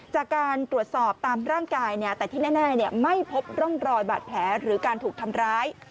จากการตรวจสอบตามร่างกายแต่ที่แน่ไม่พบร่องรอยบาดแผลหรือการถูกทำร้าย